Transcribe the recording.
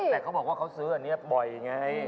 แต่เขาบอกว่าเขาซื้ออันนี้บ่อยไง